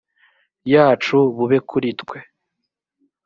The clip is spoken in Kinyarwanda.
yacu bube kuri twe